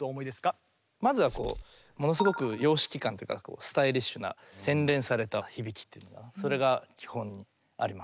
まずはものすごく様式感っていうかスタイリッシュな洗練された響きっていうのがそれが基本にあります。